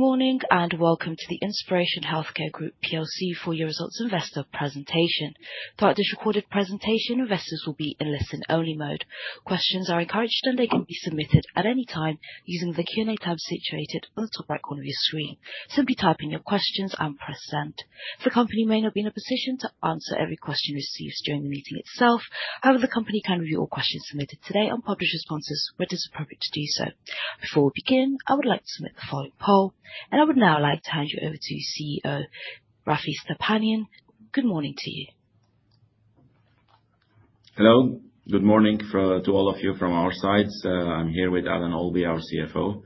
Good morning and welcome to the Inspiration Healthcare Group PLC Four Year Results Investor presentation. Throughout this recorded presentation, investors will be in listen-only mode. Questions are encouraged, and they can be submitted at any time using the Q&A tab situated on the top right corner of your screen. Simply type in your questions and press send. The company may not be in a position to answer every question received during the meeting itself. However, the company can review all questions submitted today and publish responses when it is appropriate to do so. Before we begin, I would like to submit the following poll, and I would now like to hand you over to CEO Raffi Stepanian. Good morning to you. Hello, good morning to all of you from our sides. I'm here with Alan Olby, our CFO.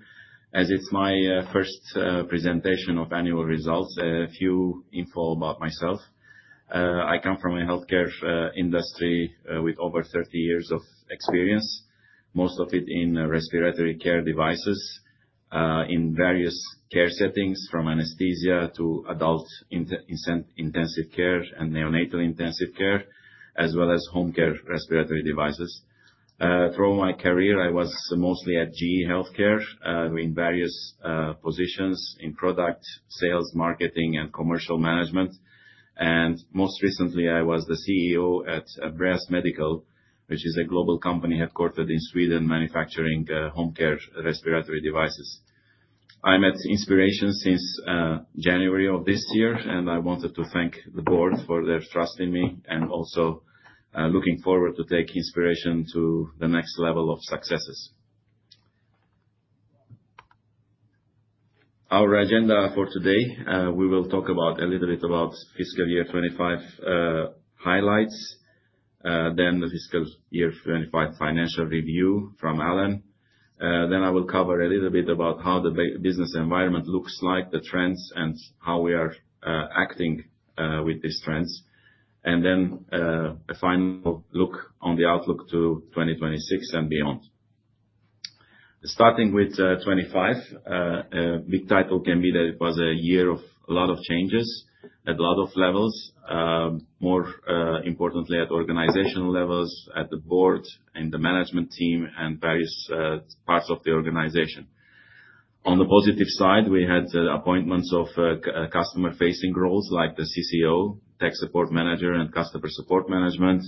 As it's my first presentation of annual results, a few info about myself. I come from a healthcare industry with over 30 years of experience, most of it in respiratory care devices in various care settings, from anesthesia to adult intensive care and neonatal intensive care, as well as home care respiratory devices. Throughout my career, I was mostly at GE Healthcare in various positions in product sales, marketing, and commercial management. Most recently, I was the CEO at Breas Medical, which is a global company headquartered in Sweden, manufacturing home care respiratory devices. I'm at Inspiration since January of this year, and I wanted to thank the board for their trust in me and also looking forward to taking Inspiration to the next level of successes. Our agenda for today: we will talk a little bit about fiscal year 2025 highlights, then the fiscal year 2025 financial review from Alan. Then I will cover a little bit about how the business environment looks like, the trends, and how we are acting with these trends. A final look on the outlook to 2026 and beyond. Starting with 2025, a big title can be that it was a year of a lot of changes at a lot of levels, more importantly at organizational levels, at the board, in the management team, and various parts of the organization. On the positive side, we had appointments of customer-facing roles like the CCO, tech support manager, and customer support management.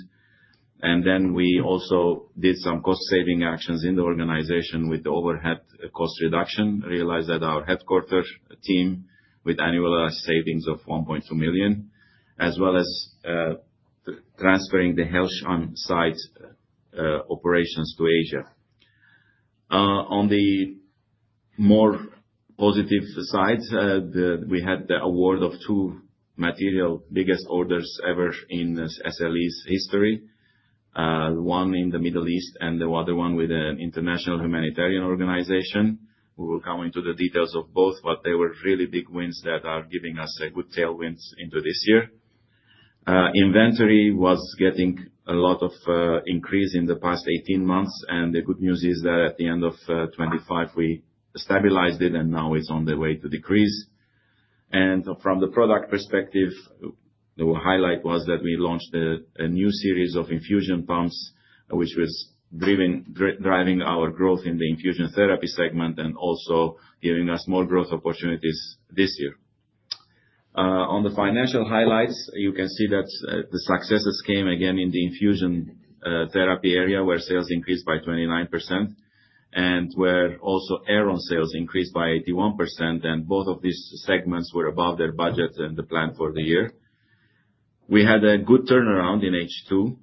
We also did some cost-saving actions in the organization with overhead cost reduction, realized at our headquarter team with annual savings of 1.2 million, as well as transferring the health site operations to Asia. On the more positive side, we had the award of two material biggest orders ever in SLE's history, one in the Middle East and the other one with an international humanitarian organization. We will come into the details of both, but they were really big wins that are giving us good tailwinds into this year. Inventory was getting a lot of increase in the past 18 months, and the good news is that at the end of 2025, we stabilized it, and now it is on the way to decrease. From the product perspective, the highlight was that we launched a new series of infusion pumps, which was driving our growth in the infusion therapy segment and also giving us more growth opportunities this year. On the financial highlights, you can see that the successes came again in the infusion therapy area, where sales increased by 29%, and where also Aeron sales increased by 81%. Both of these segments were above their budget and the plan for the year. We had a good turnaround in H2,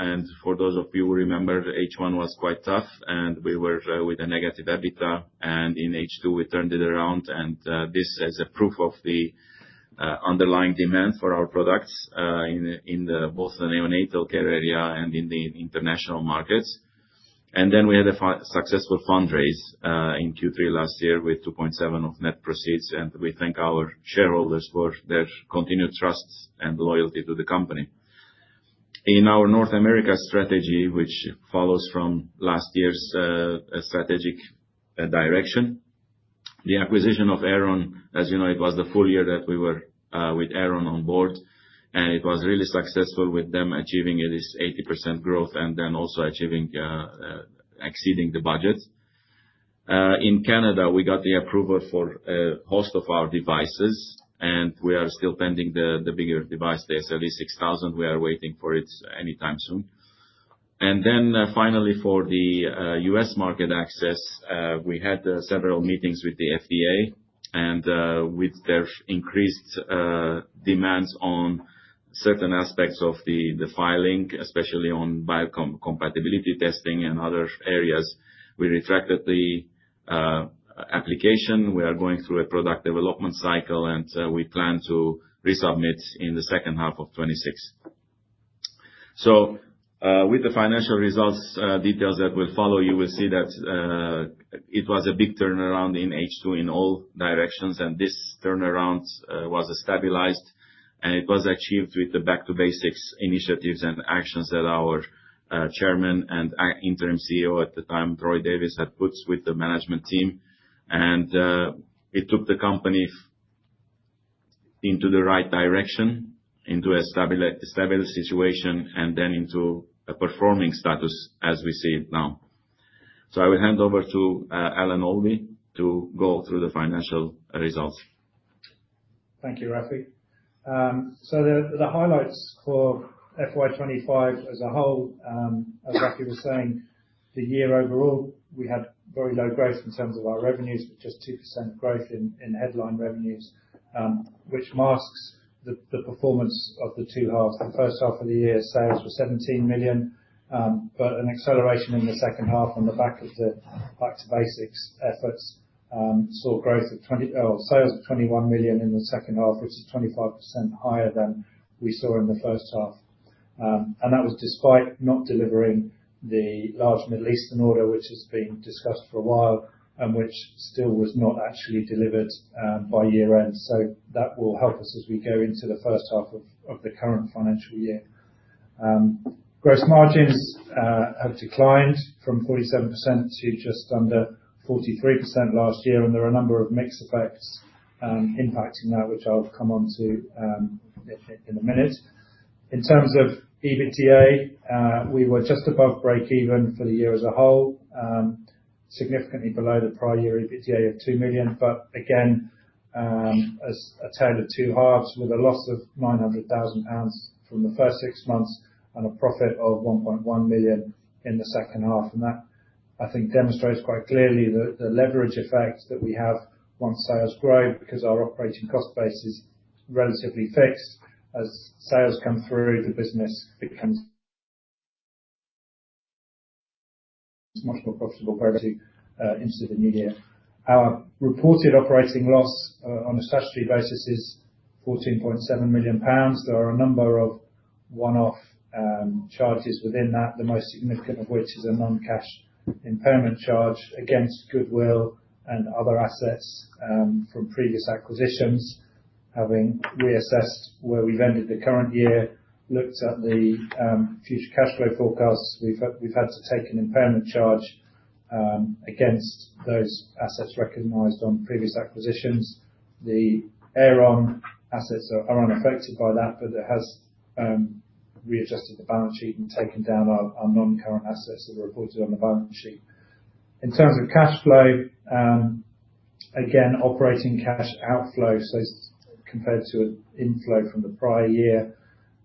and for those of you who remember, H1 was quite tough, and we were with a negative EBITDA. In H2, we turned it around, and this is a proof of the underlying demand for our products in both the neonatal care area and in the international markets. We had a successful fundraise in Q3 last year with 2.7 million of net proceeds, and we thank our shareholders for their continued trust and loyalty to the company. In our North America strategy, which follows from last year's strategic direction, the acquisition of Aeron, as you know, it was the full year that we were with Aeron on board, and it was really successful with them achieving this 80% growth and then also exceeding the budget. In Canada, we got the approval for most of our devices, and we are still pending the bigger device, the SLE 6000. We are waiting for it anytime soon. Finally, for the U.S. market access, we had several meetings with the FDA, and with their increased demands on certain aspects of the filing, especially on biocompatibility testing and other areas, we retracted the application. We are going through a product development cycle, and we plan to resubmit in the second half of 2026. With the financial results details that will follow, you will see that it was a big turnaround in H2 in all directions, and this turnaround was stabilized, and it was achieved with the Back-to-Basics initiatives and actions that our Chairman and interim CEO at the time, Troy Davis, had put with the management team. It took the company into the right direction, into a stable situation, and then into a performing status as we see it now. I will hand over to Alan Olby to go through the financial results. Thank you, Rafi. The highlights for FY25 as a whole, as Rafi was saying, the year overall, we had very low growth in terms of our revenues, with just 2% growth in headline revenues, which masks the performance of the two halves. The first half of the year, sales were 17 million, but an acceleration in the second half on the back of the Back-to-Basics efforts saw sales of 21 million in the second half, which is 25% higher than we saw in the first half. That was despite not delivering the large Middle Eastern order, which has been discussed for a while and which still was not actually delivered by year-end. That will help us as we go into the first half of the current financial year. Gross margins have declined from 47% to just under 43% last year, and there are a number of mixed effects impacting that, which I'll come on to in a minute. In terms of EBITDA, we were just above break-even for the year as a whole, significantly below the prior year EBITDA of 2 million, but again, a tail of two halves with a loss of 900,000 pounds from the first six months and a profit of 1.1 million in the second half. That, I think, demonstrates quite clearly the leverage effect that we have once sales grow, because our operating cost base is relatively fixed. As sales come through, the business becomes much more profitable. To into the new year. Our reported operating loss on a statutory basis is 14.7 million pounds. There are a number of one-off charges within that, the most significant of which is a non-cash impairment charge against goodwill and other assets from previous acquisitions. Having reassessed where we've ended the current year, looked at the future cash flow forecasts, we've had to take an impairment charge against those assets recognized on previous acquisitions. The Aeron assets are unaffected by that, but it has readjusted the balance sheet and taken down our non-current assets that are reported on the balance sheet. In terms of cash flow, again, operating cash outflow, so compared to an inflow from the prior year,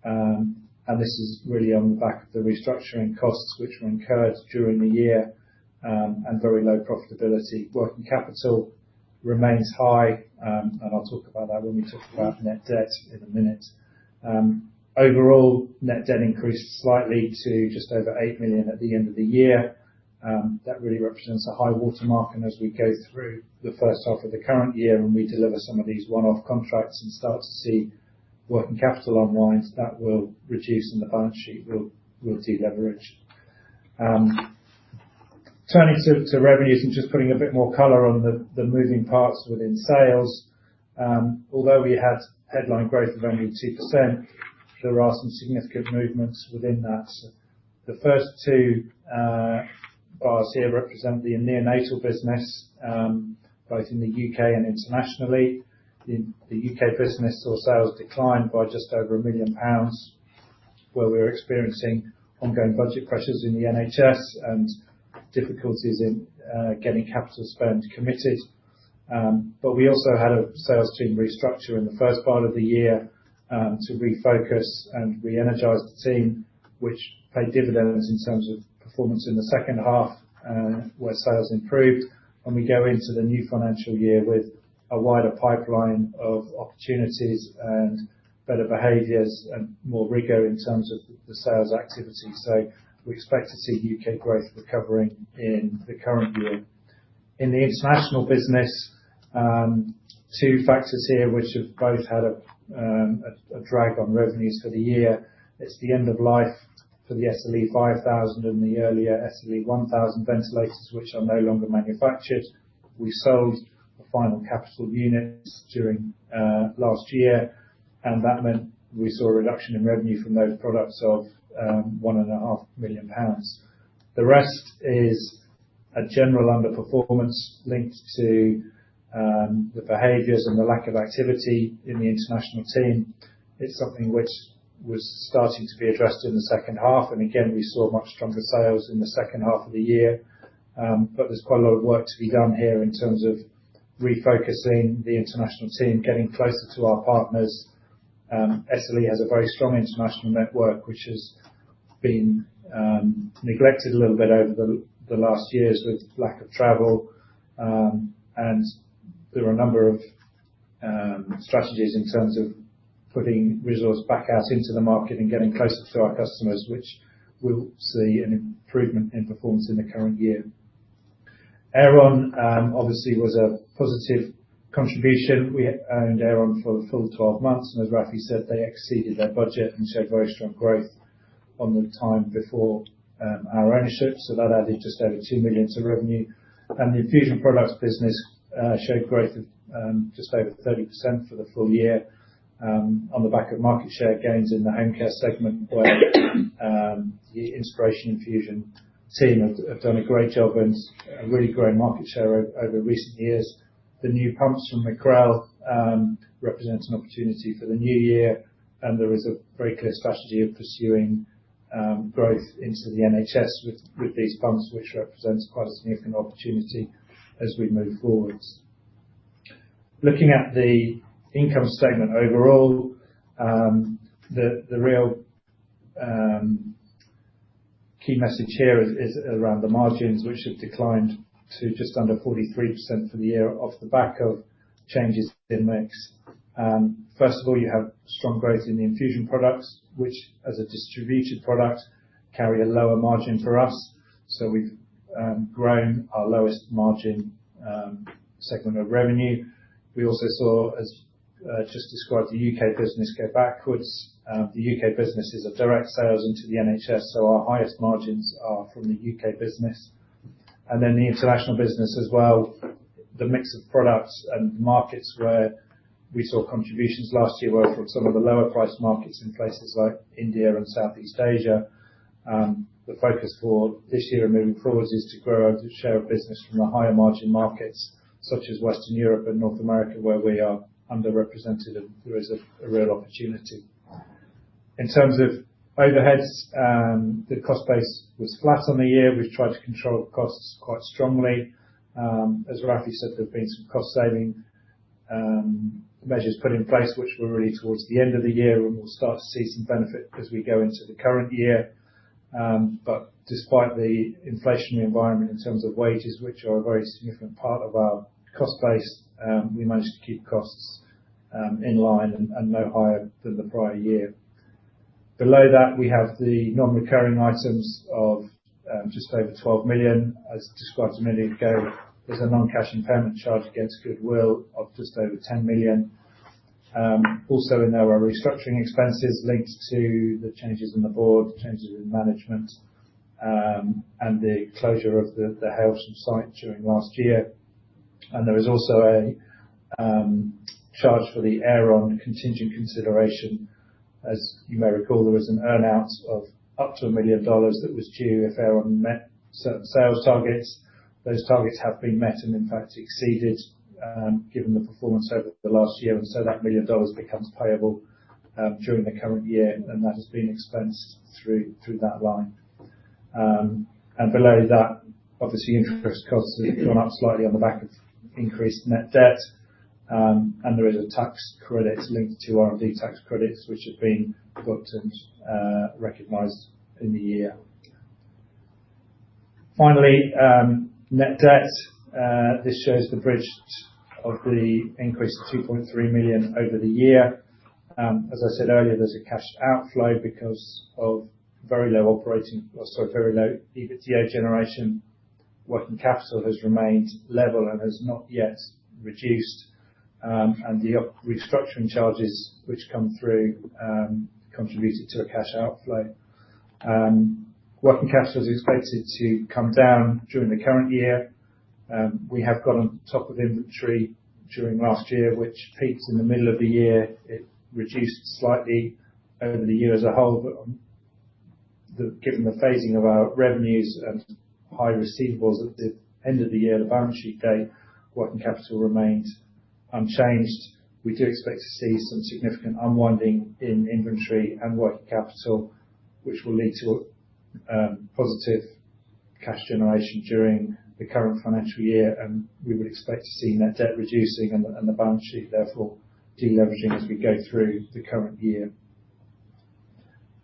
and this is really on the back of the restructuring costs which were incurred during the year and very low profitability. Working capital remains high, and I'll talk about that when we talk about net debt in a minute. Overall, net debt increased slightly to just over 8 million at the end of the year. That really represents a high watermark as we go through the first half of the current year, and we deliver some of these one-off contracts and start to see working capital unwind that will reduce and the balance sheet will deleverage. Turning to revenues and just putting a bit more color on the moving parts within sales, although we had headline growth of only 2%, there are some significant movements within that. The first two bars here represent the neonatal business, both in the U.K. and internationally. The U.K. business saw sales decline by just over 1 million pounds, where we were experiencing ongoing budget pressures in the NHS and difficulties in getting capital spend committed. We also had a sales team restructure in the first part of the year to refocus and re-energize the team, which paid dividends in terms of performance in the second half, where sales improved. We go into the new financial year with a wider pipeline of opportunities and better behaviors and more rigor in terms of the sales activity. We expect to see U.K. growth recovering in the current year. In the international business, two factors here which have both had a drag on revenues for the year. It is the end of life for the SLE5000 and the earlier SLE1000 ventilators, which are no longer manufactured. We sold a final capital unit during last year, and that meant we saw a reduction in revenue from those products of 1.5 million pounds. The rest is a general underperformance linked to the behaviors and the lack of activity in the international team. It is something which was starting to be addressed in the second half. We saw much stronger sales in the second half of the year. There is quite a lot of work to be done here in terms of refocusing the international team, getting closer to our partners. SLE has a very strong international network, which has been neglected a little bit over the last years with lack of travel. There are a number of strategies in terms of putting resource back out into the market and getting closer to our customers, which will see an improvement in performance in the current year. Aeron obviously was a positive contribution. We owned Aeron for the full 12 months, and as Raffi said, they exceeded their budget and showed very strong growth on the time before our ownership. That added just over 2 million to revenue. The infusion products business showed growth of just over 30% for the full year on the back of market share gains in the home care segment, where the Inspiration Infusion team have done a great job and really grown market share over recent years. The new pumps from McRell represent an opportunity for the new year, and there is a very clear strategy of pursuing growth into the NHS with these pumps, which represents quite a significant opportunity as we move forwards. Looking at the income segment overall, the real key message here is around the margins, which have declined to just under 43% for the year off the back of changes in mix. First of all, you have strong growth in the infusion products, which, as a distributed product, carry a lower margin for us. So we've grown our lowest margin segment of revenue. We also saw, as just described, the U.K. business go backwards. The U.K. business is a direct sales into the NHS, so our highest margins are from the U.K. business. And then the international business as well, the mix of products and markets where we saw contributions last year were from some of the lower-priced markets in places like India and Southeast Asia. The focus for this year and moving forward is to grow our share of business from the higher-margin markets such as Western Europe and North America, where we are underrepresented, and there is a real opportunity. In terms of overheads, the cost base was flat on the year. We've tried to control costs quite strongly. As Raffi said, there have been some cost-saving measures put in place, which were really towards the end of the year, and we will start to see some benefit as we go into the current year. Despite the inflationary environment in terms of wages, which are a very significant part of our cost base, we managed to keep costs in line and no higher than the prior year. Below that, we have the non-recurring items of just over 12 million, as described a minute ago. Is a non-cash impairment charge against goodwill of just over 10 million. Also in there are restructuring expenses linked to the changes in the board, changes in management, and the closure of the Healthsome site during last year. There is also a charge for the Aeron contingent consideration. As you may recall, there was an earnout of up to $1 million that was due if Aeron met certain sales targets. Those targets have been met and, in fact, exceeded given the performance over the last year. That $1 million becomes payable during the current year, and that has been expensed through that line. Below that, obviously, interest costs have gone up slightly on the back of increased net debt. There is a tax credit linked to R&D tax credits, which have been booked and recognized in the year. Finally, net debt. This shows the bridge of the increase of 2.3 million over the year. As I said earlier, there's a cash outflow because of very low operating or, sorry, very low EBITDA generation. Working capital has remained level and has not yet reduced. The restructuring charges, which come through, contributed to a cash outflow. Working capital is expected to come down during the current year. We have got on top of inventory during last year, which peaked in the middle of the year. It reduced slightly over the year as a whole, but given the phasing of our revenues and high receivables at the end of the year, the balance sheet date, working capital remained unchanged. We do expect to see some significant unwinding in inventory and working capital, which will lead to positive cash generation during the current financial year. We would expect to see net debt reducing and the balance sheet, therefore, deleveraging as we go through the current year.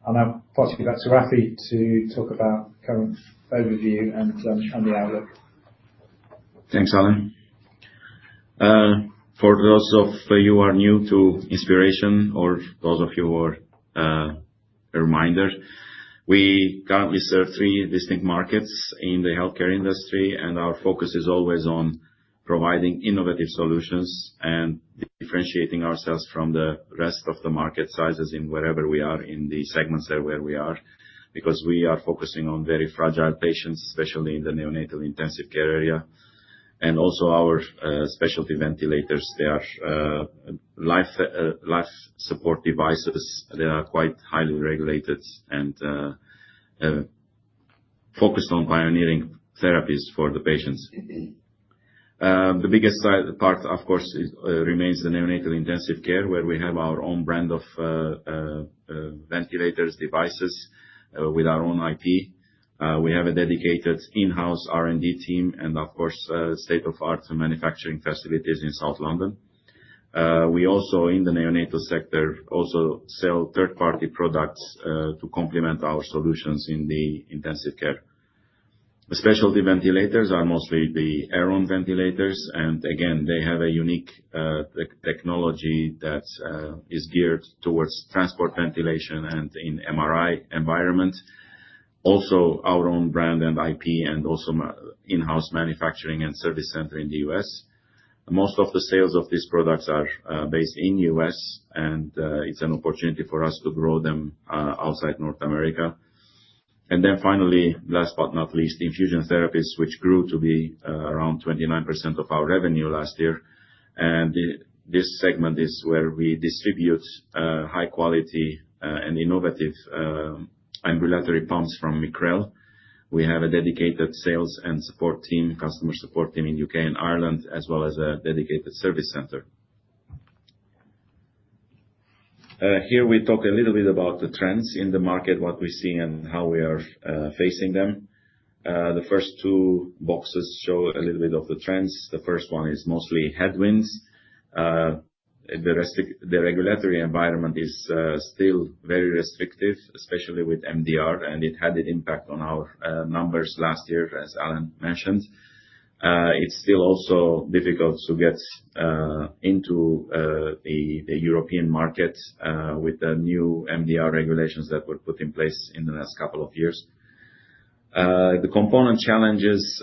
I'll pass you back to Raffi to talk about the current overview and the outlook. Thanks, Alan. For those of you who are new to Inspiration or those of you who are reminded, we currently serve three distinct markets in the healthcare industry, and our focus is always on providing innovative solutions and differentiating ourselves from the rest of the market sizes in wherever we are in the segments where we are, because we are focusing on very fragile patients, especially in the neonatal intensive care area. Also, our specialty ventilators, they are life support devices that are quite highly regulated and focused on pioneering therapies for the patients. The biggest part, of course, remains the neonatal intensive care, where we have our own brand of ventilators devices with our own IP. We have a dedicated in-house R&D team and, of course, state-of-the-art manufacturing facilities in South London. We also, in the neonatal sector, also sell third-party products to complement our solutions in the intensive care. The specialty ventilators are mostly the Aeron ventilators. They have a unique technology that is geared towards transport ventilation and in MRI environments. Also, our own brand and IP and also in-house manufacturing and service center in the U.S. Most of the sales of these products are based in the U.S., and it's an opportunity for us to grow them outside North America. Finally, last but not least, infusion therapies, which grew to be around 29% of our revenue last year. This segment is where we distribute high-quality and innovative ambulatory pumps from Micrel. We have a dedicated sales and support team, customer support team in the U.K. and Ireland, as well as a dedicated service center. Here we talk a little bit about the trends in the market, what we see, and how we are facing them. The first two boxes show a little bit of the trends. The first one is mostly headwinds. The regulatory environment is still very restrictive, especially with MDR, and it had an impact on our numbers last year, as Alan mentioned. It is still also difficult to get into the European market with the new MDR regulations that were put in place in the last couple of years. The component challenge is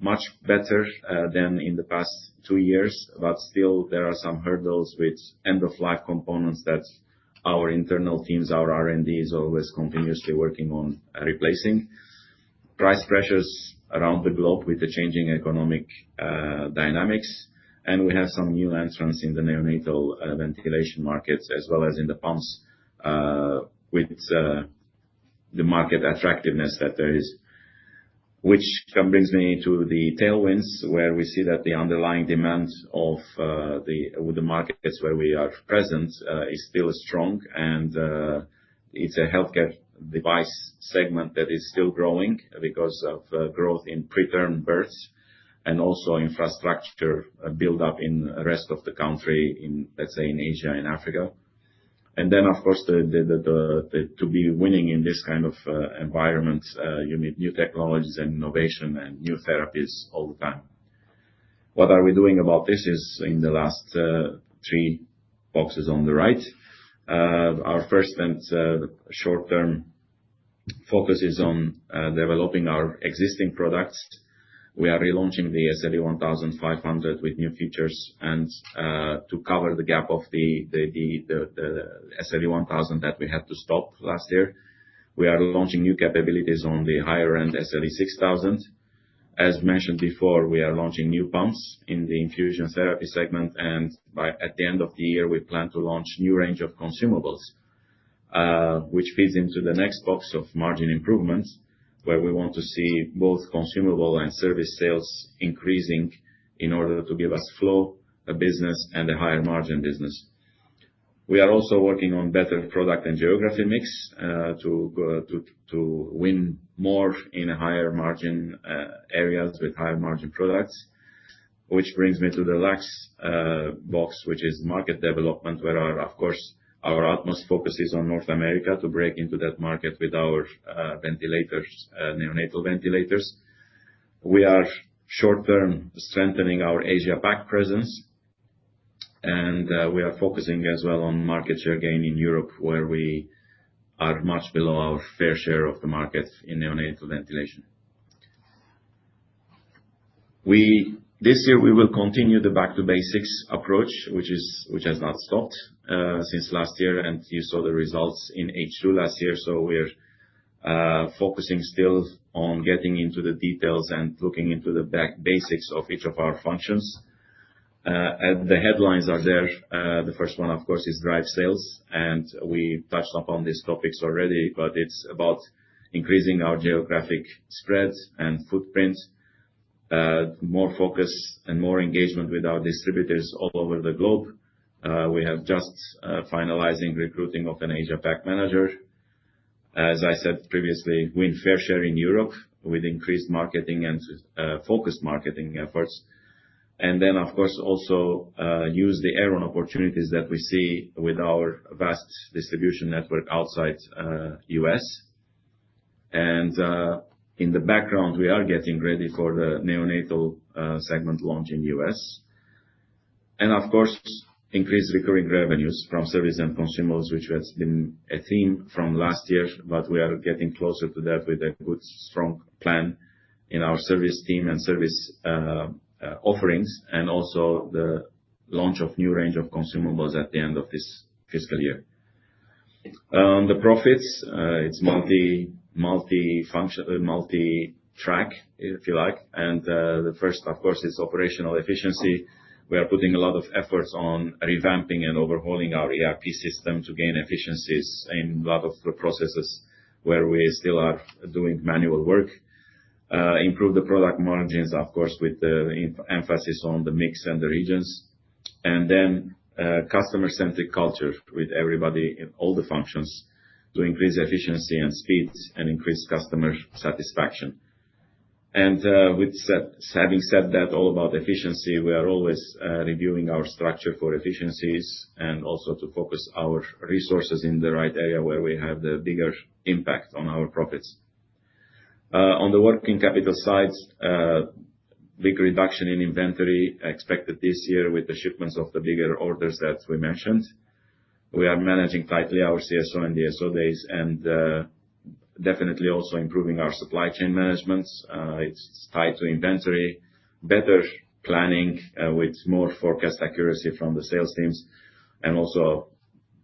much better than in the past two years, but still, there are some hurdles with end-of-life components that our internal teams, our R&D, is always continuously working on replacing. Price pressures around the globe with the changing economic dynamics. We have some new entrants in the neonatal ventilation markets, as well as in the pumps, with the market attractiveness that there is. Which can brings me to the tailwinds, where we see that the underlying demand of the markets where we are present is still strong. It is a healthcare device segment that is still growing because of growth in preterm births and also infrastructure build-up in the rest of the country, let's say, in Asia and Africa. Of course, to be winning in this kind of environment, you need new technologies and innovation and new therapies all the time. What we are doing about this is in the last three boxes on the right. Our first and short-term focus is on developing our existing products. We are relaunching the SLE1500 with new features to cover the gap of the SLE1000 that we had to stop last year. We are launching new capabilities on the higher-end SLE6000. As mentioned before, we are launching new pumps in the infusion therapy segment. At the end of the year, we plan to launch a new range of consumables, which feeds into the next box of margin improvements, where we want to see both consumable and service sales increasing in order to give us flow, a business, and a higher-margin business. We are also working on better product and geography mix to win more in higher-margin areas with higher-margin products, which brings me to the last box, which is market development, where, of course, our utmost focus is on North America to break into that market with our ventilators, neonatal ventilators. We are short-term strengthening our Asia-Pac presence, and we are focusing as well on market share gain in Europe, where we are much below our fair share of the market in neonatal ventilation. This year, we will continue the back-to-basics approach, which has not stopped since last year. You saw the results in H2 last year. We are focusing still on getting into the details and looking into the basics of each of our functions. The headlines are there. The first one, of course, is drive sales. We touched upon these topics already, but it is about increasing our geographic spread and footprint, more focus, and more engagement with our distributors all over the globe. We have just finalized recruiting of an Asia-Pac manager. As I said previously, win fair share in Europe with increased marketing and focused marketing efforts. Of course, also use the Aeron opportunities that we see with our vast distribution network outside the U.S. In the background, we are getting ready for the neonatal segment launch in the U.S. Of course, increase recurring revenues from service and consumables, which has been a theme from last year, but we are getting closer to that with a good, strong plan in our service team and service offerings, and also the launch of a new range of consumables at the end of this fiscal year. The profits, it's multi-track, if you like. The first, of course, is operational efficiency. We are putting a lot of efforts on revamping and overhauling our ERP system to gain efficiencies in a lot of the processes where we still are doing manual work. Improve the product margins, of course, with the emphasis on the mix and the regions. Customer-centric culture with everybody in all the functions to increase efficiency and speed and increase customer satisfaction. With having said that all about efficiency, we are always reviewing our structure for efficiencies and also to focus our resources in the right area where we have the bigger impact on our profits. On the working capital side, big reduction in inventory expected this year with the shipments of the bigger orders that we mentioned. We are +tightly our CSO and DSO days and definitely also improving our supply chain management. It is tied to inventory, better planning with more forecast accuracy from the sales teams, and also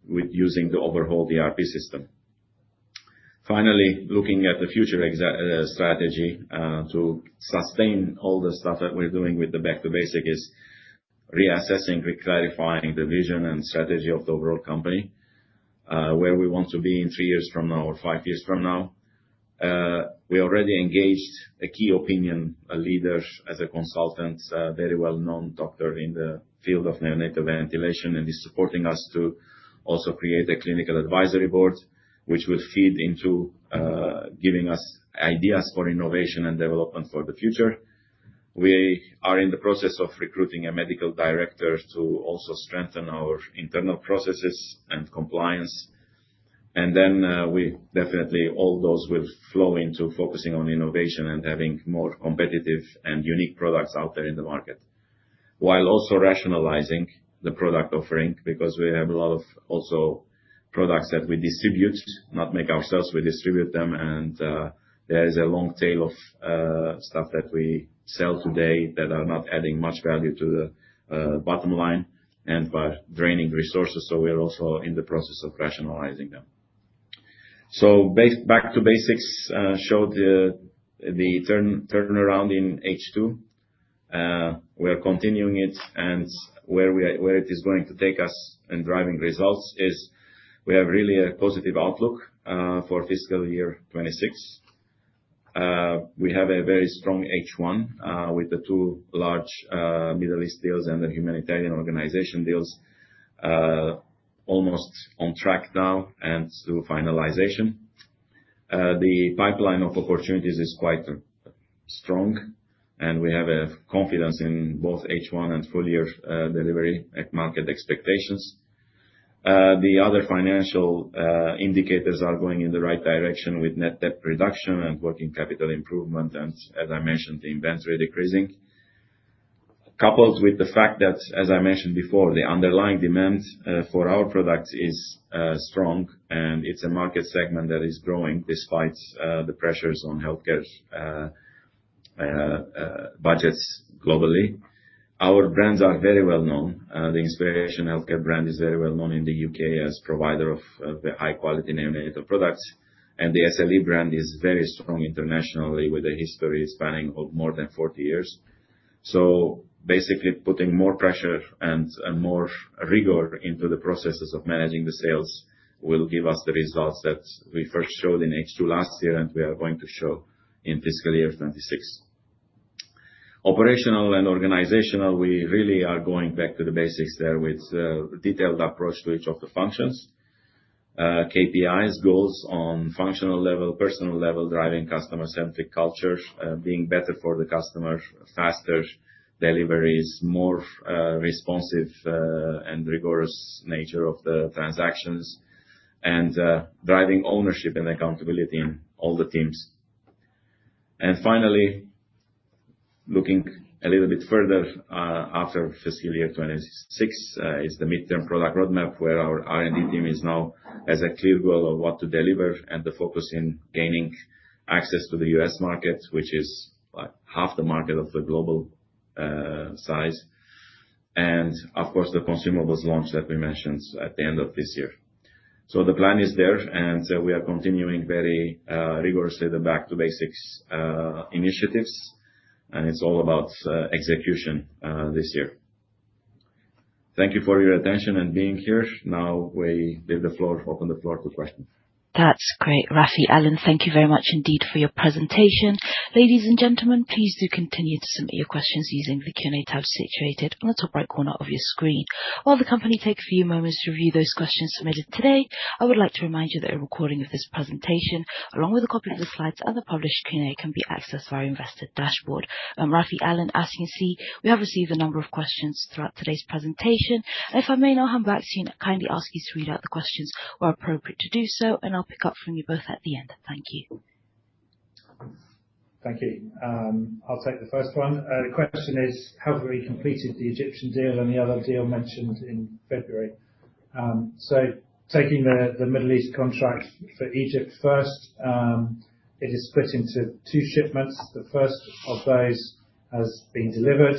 with using the overhaul ERP system. Finally, looking at the future strategy to sustain all the stuff that we're doing with the Back-to-Basics is reassessing, reclarifying the vision and strategy of the overall company, where we want to be in three years from now or five years from now. We already engaged a key opinion leader as a consultant, a very well-known doctor in the field of neonatal ventilation, and he's supporting us to also create a clinical advisory board, which will feed into giving us ideas for innovation and development for the future. We are in the process of recruiting a medical director to also strengthen our internal processes and compliance. All those will flow into focusing on innovation and having more competitive and unique products out there in the market, while also rationalizing the product offering because we have a lot of also products that we distribute, not make ourselves. We distribute them, and there is a long tail of stuff that we sell today that are not adding much value to the bottom line and are draining resources. We are also in the process of rationalizing them. Back to basics showed the turnaround in H2. We are continuing it, and where it is going to take us and driving results is we have really a positive outlook for fiscal year 2026. We have a very strong H1 with the two large Middle East deals and the humanitarian organization deals, almost on track now and to finalization. The pipeline of opportunities is quite strong, and we have confidence in both H1 and full-year delivery at market expectations. The other financial indicators are going in the right direction with net debt reduction and working capital improvement, and as I mentioned, the inventory decreasing, coupled with the fact that, as I mentioned before, the underlying demand for our products is strong, and it's a market segment that is growing despite the pressures on healthcare budgets globally. Our brands are very well-known. The Inspiration Healthcare brand is very well-known in the U.K. as a provider of high-quality neonatal products, and the SLE brand is very strong internationally with a history spanning more than 40 years. Basically, putting more pressure and more rigor into the processes of managing the sales will give us the results that we first showed in H2 last year, and we are going to show in fiscal year 2026. Operational and organizational, we really are going back to the basics there with a detailed approach to each of the functions, KPIs, goals on functional level, personal level, driving customer-centric culture, being better for the customer, faster deliveries, more responsive and rigorous nature of the transactions, and driving ownership and accountability in all the teams. Finally, looking a little bit further after fiscal year 2026 is the midterm product roadmap, where our R&D team now has a clear goal of what to deliver and the focus in gaining access to the US market, which is half the market of the global size, and, of course, the consumables launch that we mentioned at the end of this year. The plan is there, and we are continuing very rigorously the back-to-basics initiatives, and it is all about execution this year. Thank you for your attention and being here. Now we leave the floor, open the floor to questions. That's great. Raffi, Alan, thank you very much indeed for your presentation. Ladies and gentlemen, please do continue to submit your questions using the Q&A tab situated on the top right corner of your screen. While the company takes a few moments to review those questions submitted today, I would like to remind you that a recording of this presentation, along with a copy of the slides and the published Q&A, can be accessed via our invested dashboard. Raffi, Alan, as you can see, we have received a number of questions throughout today's presentation. If I may now come back to you and kindly ask you to read out the questions where appropriate to do so, and I'll pick up from you both at the end. Thank you. Thank you. I'll take the first one. The question is, have we completed the Egyptian deal and the other deal mentioned in February? Taking the Middle East contract for Egypt first, it is split into two shipments. The first of those has been delivered,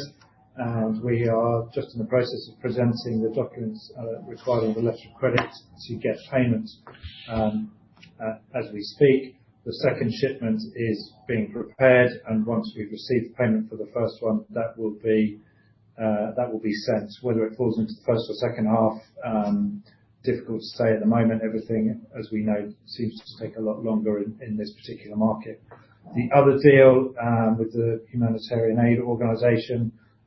and we are just in the process of presenting the documents requiring the letter of credit to get payment as we speak. The second shipment is being prepared, and once we have received payment for the first one, that will be sent, whether it falls into the first or second half. Difficult to say at the moment. Everything, as we know, seems to take a lot longer in this particular market. The other deal with the humanitarian aid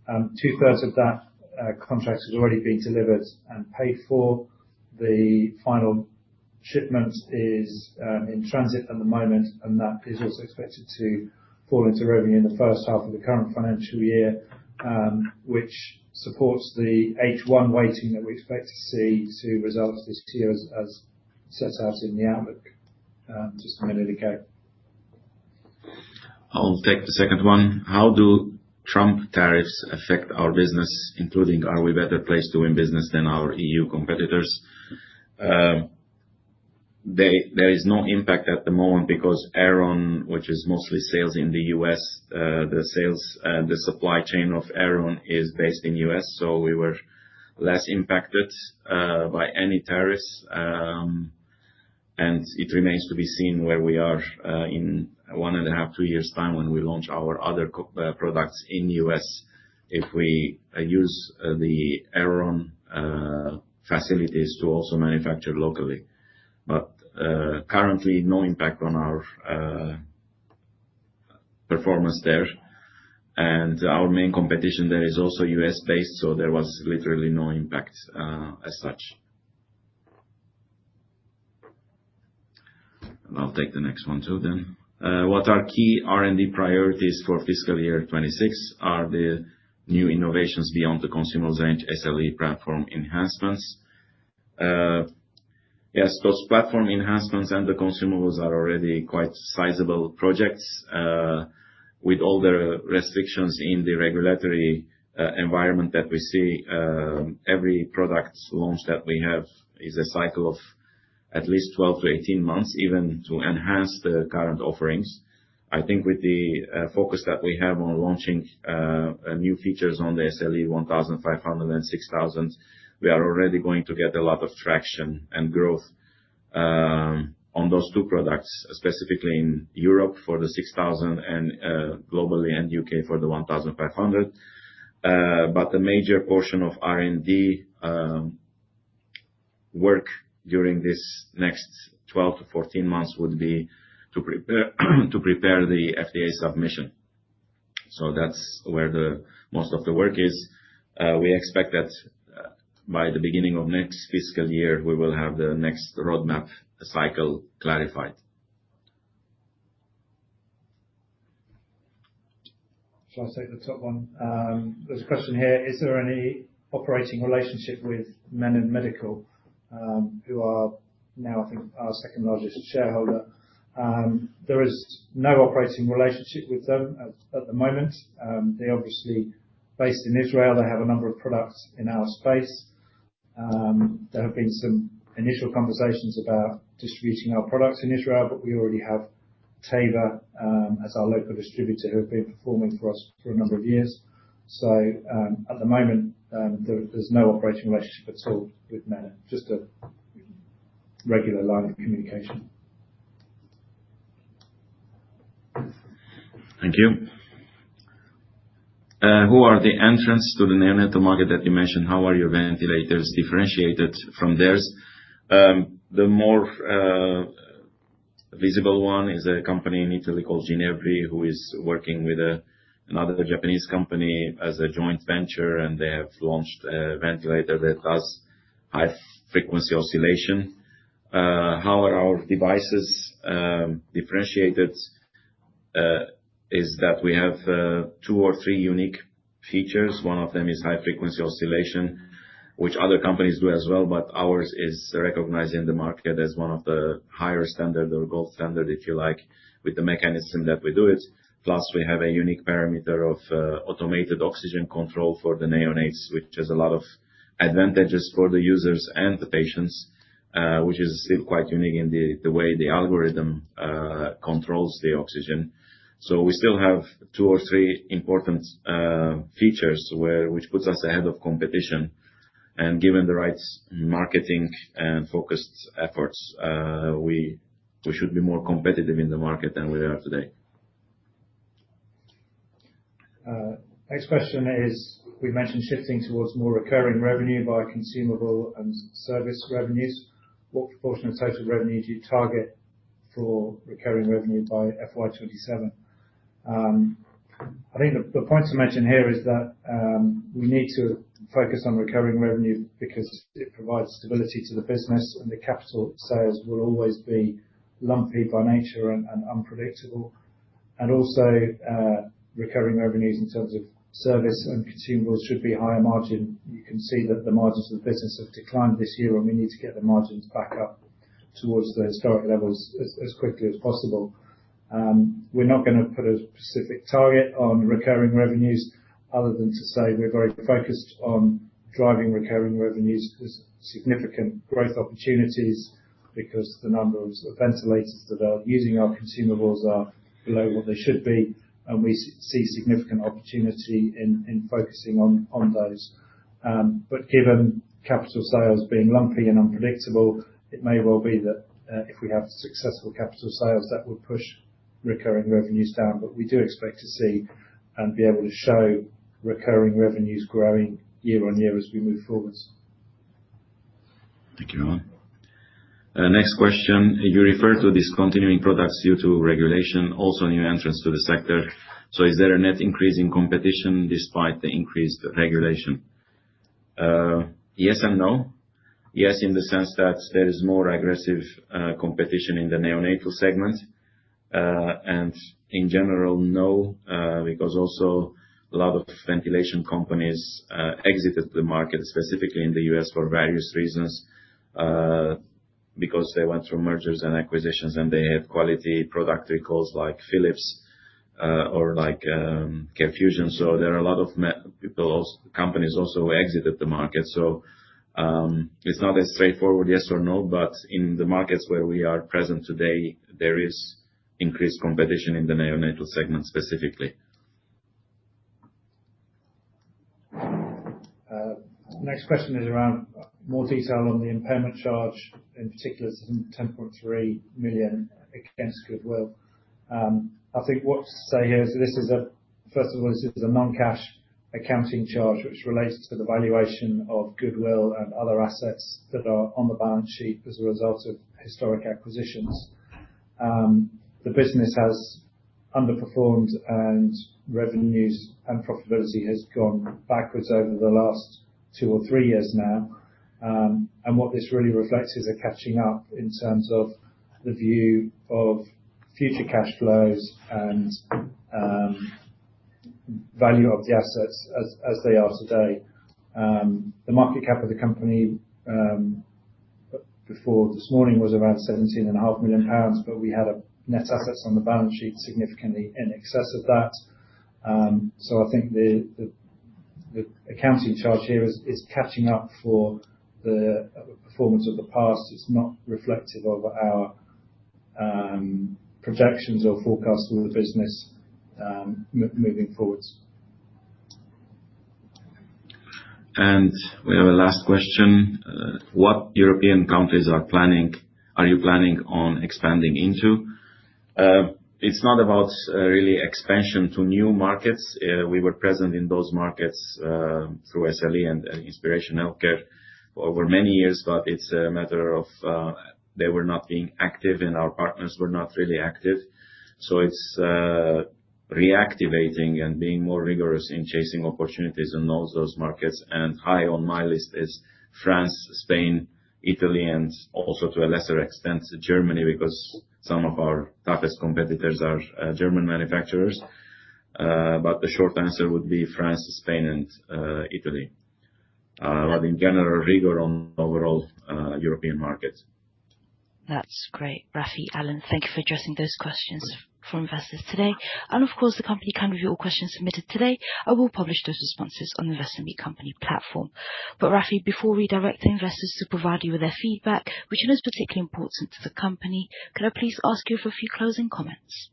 organization, two-thirds of that contract has already been delivered and paid for. The final shipment is in transit at the moment, and that is also expected to fall into revenue in the first half of the current financial year, which supports the H1 weighting that we expect to see to results this year as set out in the outlook just a minute ago. I'll take the second one. How do Trump tariffs affect our business, including are we a better place to win business than our EU competitors? There is no impact at the moment because Aeron, which is mostly sales in the U.S., the supply chain of Aeron is based in the U.S., so we were less impacted by any tariffs. It remains to be seen where we are in one and a half, two years' time when we launch our other products in the U.S. if we use the Aeron facilities to also manufacture locally. Currently, no impact on our performance there. Our main competition there is also U.S. based, so there was literally no impact as such. I'll take the next one too then. What are key R&D priorities for fiscal year 2026? Are there new innovations beyond the consumables and SLE platform enhancements? Yes, those platform enhancements and the consumables are already quite sizable projects. With all the restrictions in the regulatory environment that we see, every product launch that we have is a cycle of at least 12-18 months, even to enhance the current offerings. I think with the focus that we have on launching new features on the SLE1500 and 6000, we are already going to get a lot of traction and growth on those two products, specifically in Europe for the 6000 and globally and U.K. for the 1500. A major portion of R&D work during this next 12 to 14 months would be to prepare the FDA submission. That is where most of the work is. We expect that by the beginning of next fiscal year, we will have the next roadmap cycle clarified. Shall I take the top one? There is a question here. Is there any operating relationship with Menon Medical, who are now, I think, our second largest shareholder? There is no operating relationship with them at the moment. They are obviously based in Israel. They have a number of products in our space. There have been some initial conversations about distributing our products in Israel, but we already have Taber as our local distributor who have been performing for us for a number of years. At the moment, there is no operating relationship at all with Menon, just a regular line of communication. Thank you. Who are the entrants to the neonatal market that you mentioned? How are your ventilators differentiated from theirs? The more visible one is a company in Italy called Ginevri, who is working with another Japanese company as a joint venture, and they have launched a ventilator that does high-frequency oscillation. How are our devices differentiated? Is that we have two or three unique features. One of them is high-frequency oscillation, which other companies do as well, but ours is recognized in the market as one of the higher standards or gold standards, if you like, with the mechanism that we do it. Plus, we have a unique parameter of automated oxygen control for the neonates, which has a lot of advantages for the users and the patients, which is still quite unique in the way the algorithm controls the oxygen. We still have two or three important features, which puts us ahead of competition. Given the right marketing and focused efforts, we should be more competitive in the market than we are today. Next question is, we mentioned shifting towards more recurring revenue by consumable and service revenues. What proportion of total revenue do you target for recurring revenue by FY27? I think the point to mention here is that we need to focus on recurring revenue because it provides stability to the business, and the capital sales will always be lumpy by nature and unpredictable. Also, recurring revenues in terms of service and consumables should be higher margin. You can see that the margins of the business have declined this year, and we need to get the margins back up towards the historic levels as quickly as possible. We're not going to put a specific target on recurring revenues other than to say we're very focused on driving recurring revenues because significant growth opportunities, because the number of ventilators that are using our consumables are below what they should be, and we see significant opportunity in focusing on those. Given capital sales being lumpy and unpredictable, it may well be that if we have successful capital sales, that would push recurring revenues down, but we do expect to see and be able to show recurring revenues growing year on year as we move forwards. Thank you, Alan. Next question. You referred to discontinuing products due to regulation, also new entrants to the sector. Is there a net increase in competition despite the increased regulation? Yes and no. Yes, in the sense that there is more aggressive competition in the neonatal segment. In general, no, because also a lot of ventilation companies exited the market, specifically in the U.S. for various reasons, because they went through mergers and acquisitions, and they had quality product recalls like Philips or like K Fusion. There are a lot of companies also who exited the market. It's not as straightforward, yes or no, but in the markets where we are present today, there is increased competition in the neonatal segment specifically. Next question is around more detail on the impairment charge, in particular, it's 10.3 million against Goodwill. I think what to say here is this is, first of all, a non-cash accounting charge which relates to the valuation of Goodwill and other assets that are on the balance sheet as a result of historic acquisitions. The business has underperformed, and revenues and profitability has gone backwards over the last two or three years now. What this really reflects is a catching up in terms of the view of future cash flows and value of the assets as they are today. The market cap of the company before this morning was around 17.5 million pounds, but we had net assets on the balance sheet significantly in excess of that. I think the accounting charge here is catching up for the performance of the past. It's not reflective of our projections or forecasts for the business moving forwards. We have a last question. What European countries are you planning on expanding into? It's not about really expansion to new markets. We were present in those markets through SLE and Inspiration Healthcare for many years, but it's a matter of they were not being active, and our partners were not really active. It is reactivating and being more rigorous in chasing opportunities in those markets. High on my list is France, Spain, Italy, and also to a lesser extent, Germany, because some of our toughest competitors are German manufacturers. The short answer would be France, Spain, and Italy. In general, region overall European markets. That's great. Raffi, Alan, thank you for addressing those questions for investors today. Of course, the company can review all questions submitted today. I will publish those responses on the Investment Week Company platform. Raffi, before redirecting investors to provide you with their feedback, which is particularly important to the company, could I please ask you for a few closing comments?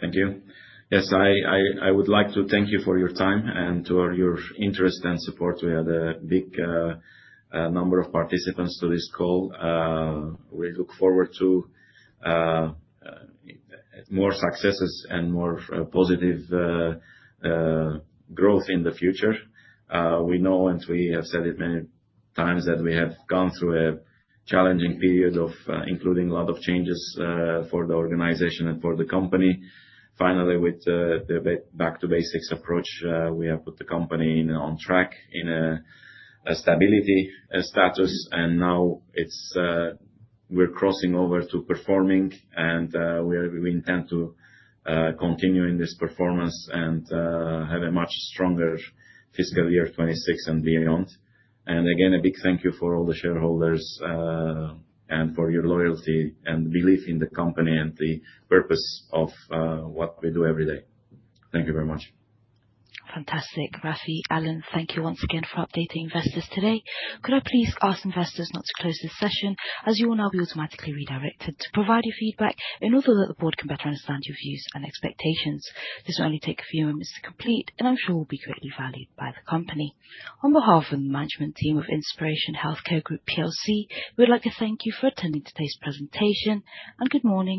Thank you. Yes, I would like to thank you for your time and for your interest and support. We had a big number of participants to this call. We look forward to more successes and more positive growth in the future. We know, and we have said it many times, that we have gone through a challenging period of including a lot of changes for the organization and for the company. Finally, with the Back-to-Basics approach, we have put the company on track in a stability status, and now we're crossing over to performing, and we intend to continue in this performance and have a much stronger fiscal year 2026 and beyond. Again, a big thank you for all the shareholders and for your loyalty and belief in the company and the purpose of what we do every day. Thank you very much. Fantastic. Raffi, Alan, thank you once again for updating investors today. Could I please ask investors not to close this session as you will now be automatically redirected to provide your feedback in order that the board can better understand your views and expectations? This will only take a few moments to complete, and I'm sure it will be greatly valued by the company. On behalf of the management team of Inspiration Healthcare Group PLC, we'd like to thank you for attending today's presentation. Good morning.